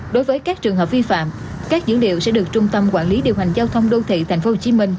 đối với các trường hợp vi phạm các dữ liệu sẽ được trung tâm quản lý điều hành giao thông đô thị tp hcm